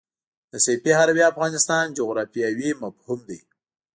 د سیفي هروي افغانستان جغرافیاوي مفهوم دی.